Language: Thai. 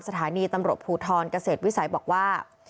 สถานีตำรวจภูทรเกษตรวิสัยบอกว่า